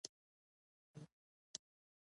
د مسلمانانو حکومت په لاس کې لوبیږي.